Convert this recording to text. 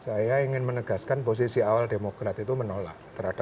saya ingin menegaskan posisi awal demokrat itu menolak terhadap perpu itu